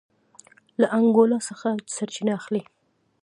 له انګولا څخه سرچینه اخلي.